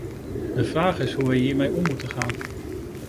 De vraag is hoe wij hiermee om moeten gaan.